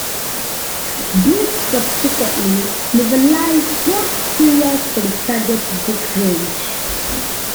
Briggs subsequently novelised both serials for the Target Books range.